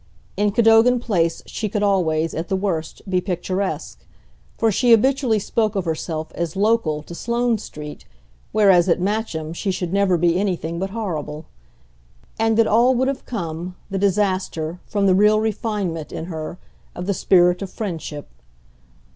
In Cadogan Place she could always, at the worst, be picturesque for she habitually spoke of herself as "local" to Sloane Street whereas at Matcham she should never be anything but horrible. And it all would have come, the disaster, from the real refinement, in her, of the spirit of friendship.